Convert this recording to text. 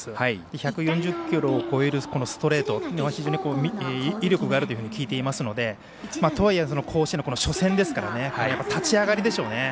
１４０キロを超えるストレート非常に威力があるというふうに聞いていますのでとはいえ、甲子園の初戦ですから立ち上がりでしょうね。